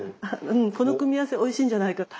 うんこの組み合わせおいしいんじゃないかと。